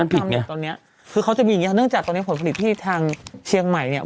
มันผิดไงคือเขาจะมีอย่างนี้นั่งจากตอนนี้ผลผลิตที่ทางเชียงใหม่เนี่ย